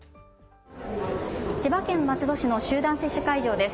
千葉県松戸市の集団接種会場です。